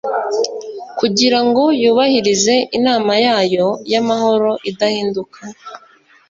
Kugira ngo yubahirize inama yayo y'amahoro idahinduka,